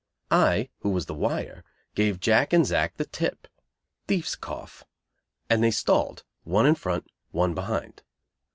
I, who was the "wire," gave Jack and Zack the tip (thief's cough), and they stalled, one in front, one behind.